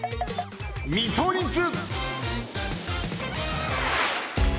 見取り図。